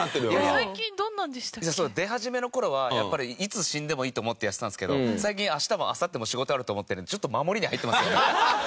最近どんなのでしたっけ？出始めの頃はやっぱりいつ死んでもいいと思ってやってたんですけど最近明日もあさっても仕事あると思ってるんでちょっと守りに入ってますよね。